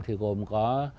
thì gồm có